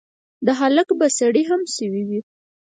د هلک به سړې هم شوي وي.